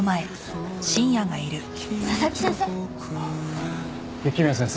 佐々木先生？